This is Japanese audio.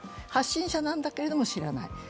発信者なんだけれども、知らない。